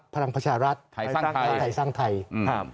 พลังประชารัฐไทรสรรค์ไทยไทรสรรค์ไทยครับ